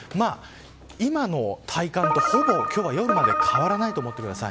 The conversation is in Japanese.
今の体感とほぼ今日の夜まで変わらないと思ってください。